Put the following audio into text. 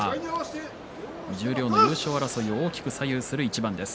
十両の優勝争いを大きく左右する一番です。